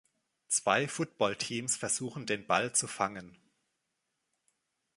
Zwei Footballteams versuchen den Ball zu fangen